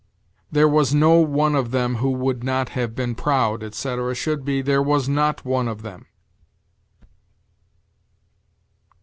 "There was no one of them who would not have been proud," etc., should be, "There was not one of them."